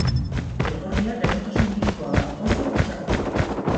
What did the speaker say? Elgorria gaixotasun birikoa da, oso kutsakorra.